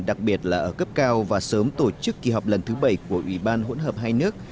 đặc biệt là ở cấp cao và sớm tổ chức kỳ họp lần thứ bảy của ủy ban hỗn hợp hai nước